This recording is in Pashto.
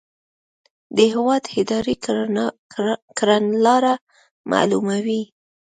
د هیواد اداري کړنلاره معلوموي.